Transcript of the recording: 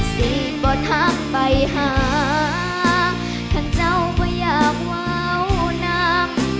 สิบ่ทักไปหาขันเจ้าบ่อยากว้าวน้ำ